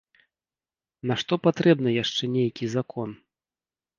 Нашто патрэбна яшчэ нейкі закон?